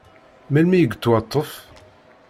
Melmi i yettwaṭṭef?